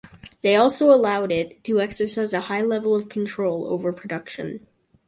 They also allowed it to exercise a high level of control over production.